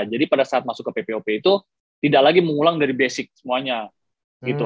jadi pada saat masuk ke ppop itu tidak lagi mengulang dari basic semuanya gitu